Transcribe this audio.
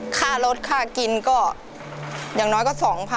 ค่ารถค่ากินก็อย่างน้อยก็๒๐๐๐